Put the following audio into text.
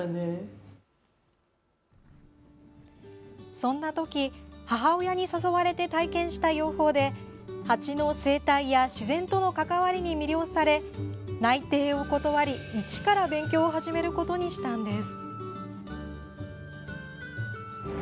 そんなとき母親に誘われて体験した養蜂でハチの生態や自然との関わりに魅了され内定を断り、一から勉強を始めることにしたんです。